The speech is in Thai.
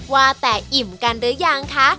ว่าแต่อิ่มกันหรือยังคะ